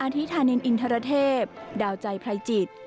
อธิษฐานินทรเทพดาวใจพรายจิต